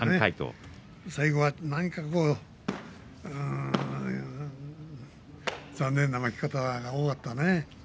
最後は残念な負け方が多かったね。